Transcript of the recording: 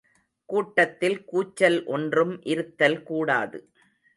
கூட்டத்தில் கூச்சல் ஒன்றும் இருத்தல் கூடாது.